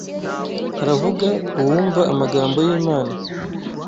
Haravuga uwumva amagambo y’Imana